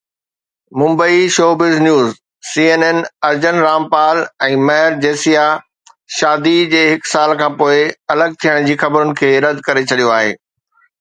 Mumbai (showbiz news) C N N Arjun Rampal ۽ Mehr Jesia شادي جي هڪ سال کانپوءِ الڳ ٿيڻ جي خبرن کي رد ڪري ڇڏيو آهي.